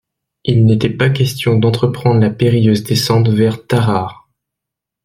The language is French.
Il n'était pas question d'entreprendre la périlleuse descente vers Tarare.